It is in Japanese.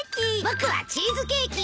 僕はチーズケーキ。